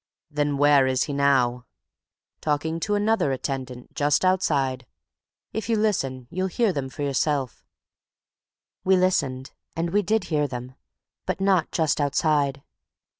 "Then where is he now?" "Talking to another attendant just outside. If you listen you'll hear them for yourself." We listened, and we did hear them, but not just outside.